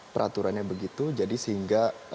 peraturannya begitu jadi sehingga